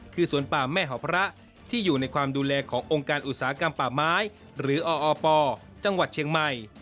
คือสวนป่าแม่เห่าพระที่อยู่ในความดูแลขององค์การอุตสาหกรรมป่าไม้หรือออปจังหวัดเชียงใหม่